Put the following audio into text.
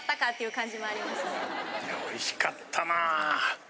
いやおいしかったなぁ。